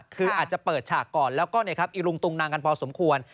คืออาจจะเปิดฉากก่อนแล้วก็อีลุงตุงนังกันพอสมควร